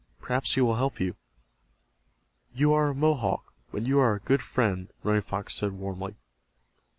Perhaps he will help you." "You are a Mohawk, but you are a good friend," Running Fox said, warmly.